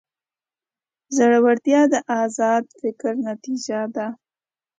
زړورتیا د ازاد فکر نتیجه ده.